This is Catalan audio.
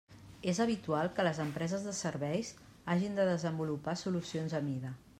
És habitual que les empreses de serveis hagin de desenvolupar solucions a mida.